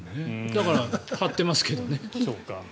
だから、張ってますけどね。